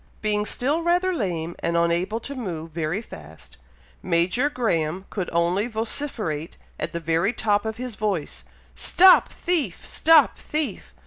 Being still rather lame, and unable to move very fast, Major Graham could only vociferate at the very top of his voice, "Stop thief! stop thief!"